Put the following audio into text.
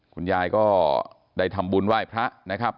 คุณยายก็ได้ทำบุญไหว้พระนะครับ